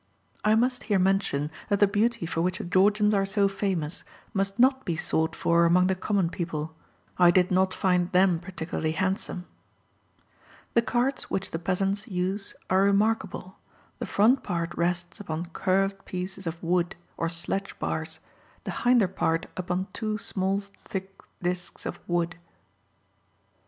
I must here mention that the beauty for which the Georgians are so famous must not be sought for among the common people. I did not find them particularly handsome. The carts which the peasants use are remarkable, the front part rests upon curved pieces of wood, or sledge bars; the hinder part upon two small thick discs of wood.